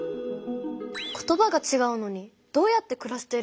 言葉がちがうのにどうやってくらしてるのかな？